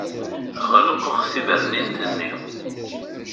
Ɣelqeɣ tibernint-nni.